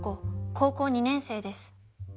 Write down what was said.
高校２年生です。